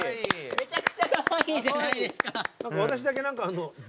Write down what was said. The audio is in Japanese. めちゃくちゃかわいいじゃないですか。